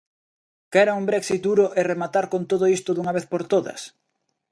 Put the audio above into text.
Queren un Brexit duro e rematar con todo isto dunha vez por todas?